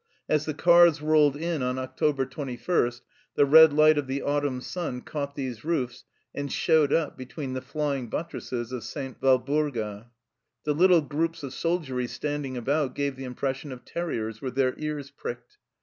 As the cars rolled in on October 21 the red light of the autumn sun caught these roofs and showed up between the flying buttresses of St. Walburga. The little groups of soldiery stand ing about gave the impression of terriers with their ears pricked.